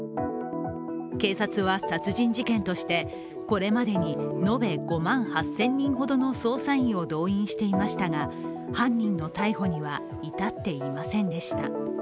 警察は殺人事件として、これまでに延べ５万８０００人ほどの捜査員を動員していましたが犯人の逮捕には至っていませんでした。